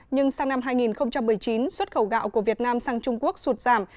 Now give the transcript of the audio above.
nhưng sang năm hai nghìn một mươi chín xuất khẩu gạo của việt nam sang trung quốc sụt giảm